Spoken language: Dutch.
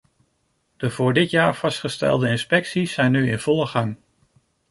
De voor dit jaar vastgestelde inspecties zijn nu in volle gang.